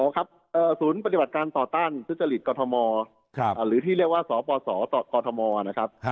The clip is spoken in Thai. ครับศูนย์ปฏิบัติการต่อต้านทุจริตกรทมหรือที่เรียกว่าสปสกมนะครับ